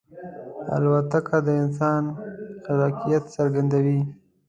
الوتکه د انسان خلاقیت څرګندوي.